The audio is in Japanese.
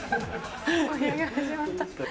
お部屋が始まった。